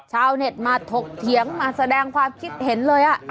ชาวเน็ตมาถกเถียงมาแสดงความคิดเห็นเลย